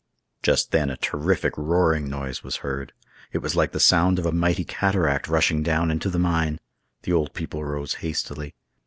Just then a terrific roaring noise was heard. It was like the sound of a mighty cataract rushing down into the mine. The old people rose hastily.